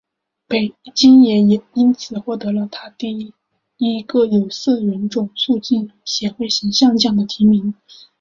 金也因此获得了她的第一个有色人种促进协会形象奖的提名。